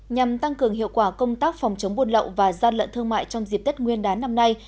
nhằm tăng cường hiệu quả công tác phòng chống buôn lậu và gian lận thương mại trong dịp tết nguyên đán năm nay